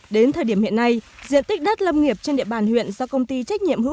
đến thời điểm hiện nay diện tích đất lâm nghiệp trên địa bàn huyện do công ty trách nhiệm hữu